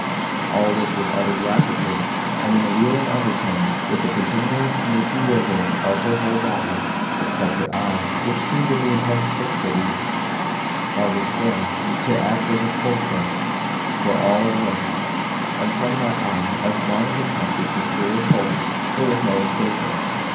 All this was uttered rapidly, and in a wheedling undertone, with a continual snaky writhing of her whole body, except her eye, which seemed, in the intense fixity of its glare, to act as a fulcrum for all her limbs; and from that eye, as long as it kept its mysterious hold, there was no escaping.